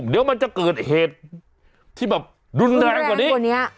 เดี๋ยวมันจะเกิดเหตุที่แบบรุนแรงกว่านี้กว่านี้